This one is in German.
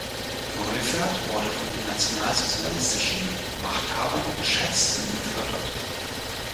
Neufert wurde von den nationalsozialistischen Machthabern geschätzt und gefördert.